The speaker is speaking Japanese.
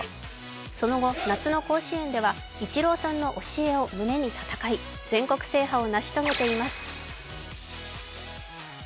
その後、夏の甲子園ではイチローさんの教えを胸に戦い全国制覇を成し遂げています。